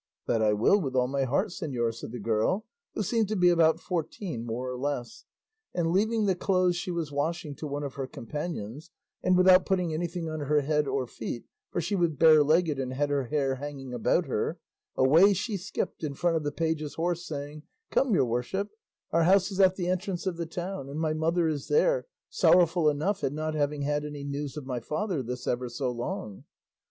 "That I will with all my heart, señor," said the girl, who seemed to be about fourteen, more or less; and leaving the clothes she was washing to one of her companions, and without putting anything on her head or feet, for she was bare legged and had her hair hanging about her, away she skipped in front of the page's horse, saying, "Come, your worship, our house is at the entrance of the town, and my mother is there, sorrowful enough at not having had any news of my father this ever so long."